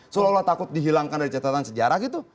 seolah olah takut dihilangkan dari catatan sejarah gitu